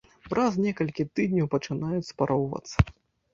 Праз некалькі тыдняў пачынаюць спароўвацца.